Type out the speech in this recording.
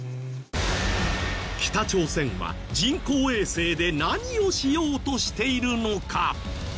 北朝鮮は人工衛星で何をしようとしているのか？